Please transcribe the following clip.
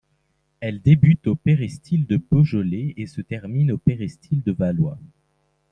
Elle débute au péristyle de Beaujolais et se termine au péristyle de Valois.